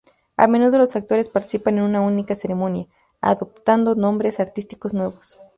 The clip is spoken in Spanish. A menudo, los actores participan en una única ceremonia, adoptando nombres artísticos nuevos.